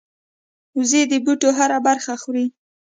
وزې د بوټي هره برخه خوري